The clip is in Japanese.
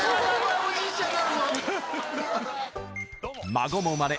孫も生まれ